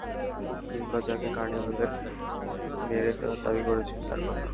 কিংবা যাকে কার্নিভ্যালে মেরে ফেলার দাবি করেছেন, তার কথা।